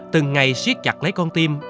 từng ngày siết chặt lấy con tim